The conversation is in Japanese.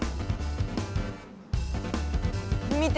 見て。